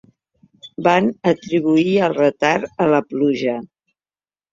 Van atribuir el retard a la pluja.